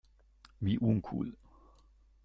Wie uncool!